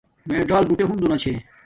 میے څل بوٹے ہنزو نا چھے